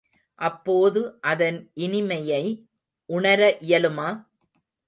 அப்போது அதன் இனிமையை உணர இயலுமா?